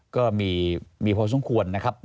ก็มีพอสมควรนะครับ